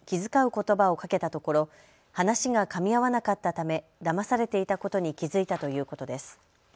ことばをかけたところ話がかみ合わなかったためだまされていたことに気付いたということです。